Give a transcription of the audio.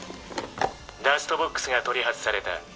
「ダストボックスが取り外された。